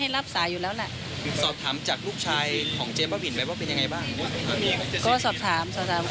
แล้วถ้าคัดค้านจริงนี่เราจะทำอย่างไร